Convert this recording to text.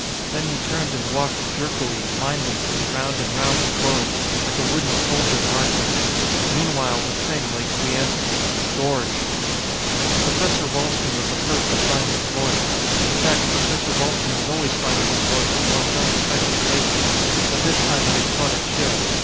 Then he turned and walked jerkily, mindlessly, round and round the globe like a wooden soldier marching. Meanwhile the Thing lay quiescent gorged! Professor Ralston was the first to find his voice. In fact, Professor Ralston was always finding his voice in the most unexpected places. But this time it had caught a chill.